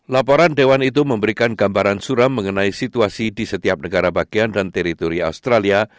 laporan dewan itu memberikan gambaran suram mengenai situasi di setiap negara bagian dan teritori australia